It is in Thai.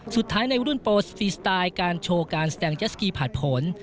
สุดท้ายในรุ่นโปสตีสไตล์การโชว์การแสนกยัสกีผัดผล